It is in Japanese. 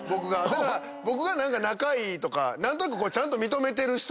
だから僕が仲いいとか何となくちゃんと。